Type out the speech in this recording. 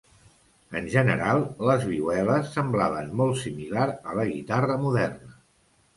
En general, les vihueles semblaven molt similar a la guitarra moderna.